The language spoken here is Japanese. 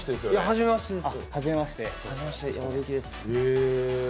はじめましてです。